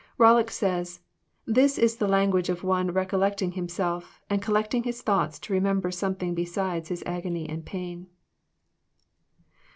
Rollock says :'* This is the language of one recollecting him self, and collecting his thoughts to remember something besides his agony and pain."